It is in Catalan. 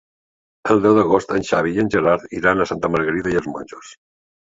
El deu d'agost en Xavi i en Gerard iran a Santa Margarida i els Monjos.